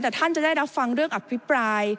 แต่ท่านจะได้รับฟังเรื่องอภิปราย